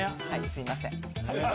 すいません。